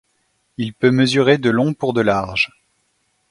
Il peut mesurer de long pour de large.